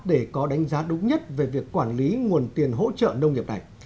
để có đánh giá đúng nhất về việc quản lý nguồn tiền hỗ trợ nông nghiệp này